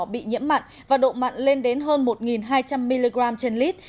bị nhiễm mặn và độ mặn lên đến hơn một hai trăm linh mg trên lít